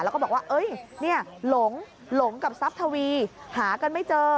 แล้วก็บอกว่าหลงกับทรัพย์ทวีหากันไม่เจอ